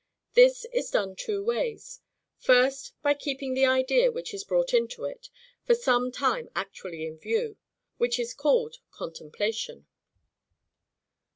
This is done two ways. First, by keeping the idea which is brought into it, for some time actually in view, which is called CONTEMPLATION.